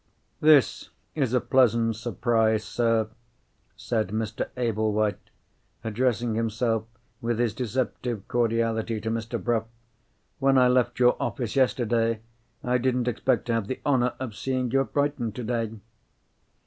"This is a pleasant surprise, sir," said Mr. Ablewhite, addressing himself with his deceptive cordiality to Mr. Bruff. "When I left your office yesterday, I didn't expect to have the honour of seeing you at Brighton today."